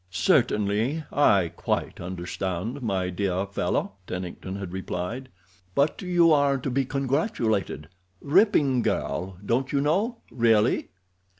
"Certainly, I quite understand, my dear fellow," Tennington had replied. "But you are to be congratulated—ripping girl, don't you know—really."